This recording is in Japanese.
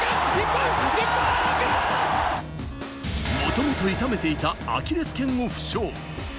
もともと痛めていたアキレス腱を負傷。